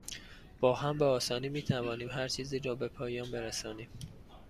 با هم، به آسانی می توانیم هرچیزی را به پایان برسانیم.